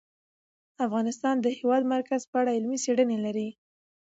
افغانستان د د هېواد مرکز په اړه علمي څېړنې لري.